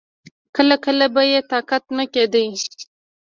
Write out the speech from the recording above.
کله کله به يې طاقت نه کېده.